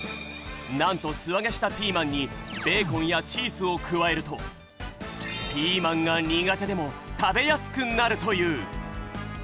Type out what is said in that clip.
なんとすあげしたピーマンにベーコンやチーズを加えるとピーマンが苦手でも食べやすくなるという！